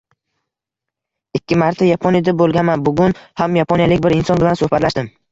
Ikki marta Yaponiyada boʻlganman. Bugun ham yaponiyalik bir inson bilan suhbatlashdim.